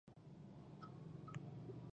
کوم عمل چې ته یې کوې د اسلام لپاره خطرناک دی.